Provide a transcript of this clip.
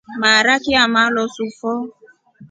Maaraki ya amalosu fo.